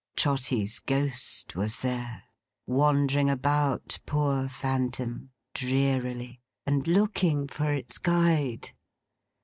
Trotty's ghost was there, wandering about, poor phantom, drearily; and looking for its guide.